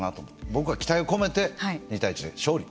僕は期待を込めて２対１で勝利。